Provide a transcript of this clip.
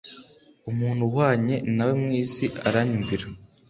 umuntu uhwanye na we mu isi Aranyumvira